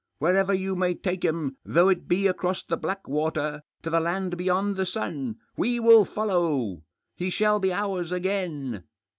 Wherever you may take him, though it be across the black water, to the land beyond the sun, we will follow. He shall be ours again.